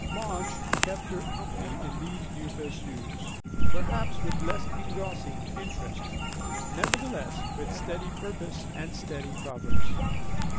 Madge kept her company in these new pursuits, perhaps with less engrossing interest; nevertheless with steady purpose and steady progress.